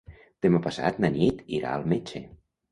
Demà passat na Nit irà al metge.